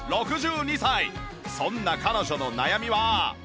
そんな彼女の悩みは